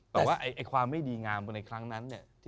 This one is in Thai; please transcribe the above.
แต่ว่ามีขวามไม่ดีงามในครั้งได้